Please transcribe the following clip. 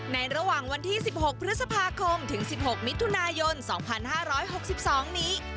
ในระหว่างวันที่สิบหกพฤษภาคมถึงสิบหกมิตุนายนสองพันห้าร้อยหกสิบสองนี้